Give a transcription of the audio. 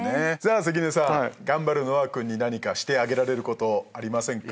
関根さん頑張る和青君に何かしてあげられることありませんか？